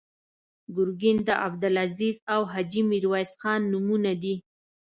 ګرګین د عبدالعزیز او حاجي میرویس خان نومونه دي.